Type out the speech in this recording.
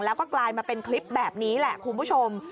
แล้วก็กลายมาเป็นคลิปแบบนี้แหละคุณผู้ชม